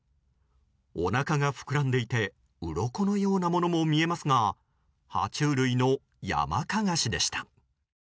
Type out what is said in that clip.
おなかが膨らんでいてうろこのようなものも見えますが爬虫類のヤマカガシでした。